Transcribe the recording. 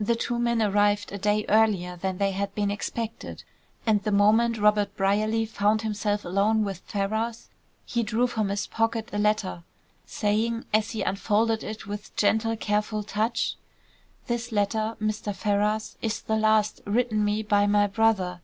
The two men arrived a day earlier than they had been expected, and the moment Robert Brierly found himself alone with Ferrars he drew from his pocket a letter, saying, as he unfolded it with gentle, careful touch: "This letter, Mr. Ferrars, is the last written me by my brother.